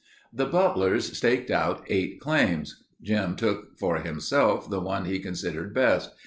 The Butlers staked out eight claims. Jim took for himself the one he considered best.